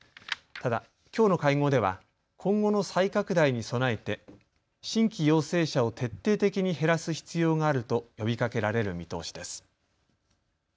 ただ、きょうの会合では今後の再拡大に備えて新規陽性者を徹底的に減らす必要があると呼びかけられる見通しです。